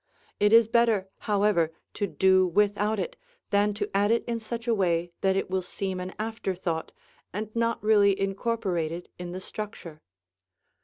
It is better, however, to do without it than to add it in such a way that it will seem an afterthought and not really incorporated in the structure.